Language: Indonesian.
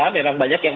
dan memang banyak yang